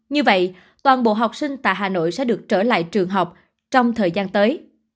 như vậy toàn bộ học sinh tại hà nội sẽ được trở lại trường học trong thời gian tới